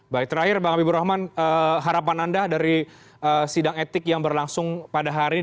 baik terakhir bang habibur rahman harapan anda dari sidang etik yang berlangsung pada hari ini